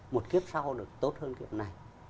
một kiếp sau được tốt hơn kiếp này